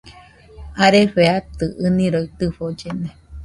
Arefe atɨ ɨniroi tɨfollena